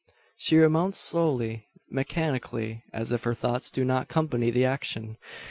She remounts slowly, mechanically as if her thoughts do not company the action.